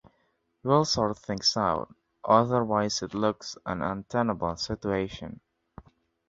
We'll sort things out... otherwise it looks an untenable situation.